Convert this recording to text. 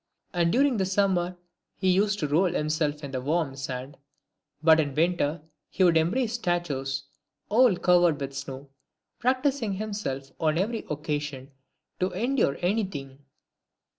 And during the summer he used to roll himself in the warm sand, but in winter he would embrace statues all covered with snow, practising him self, on every occasion, to endure anything.